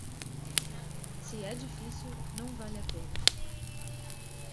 Se é difícil, não vale a pena.